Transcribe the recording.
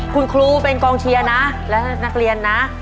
คุณครูเป็นกองเชียร์นะและนักเรียนนะ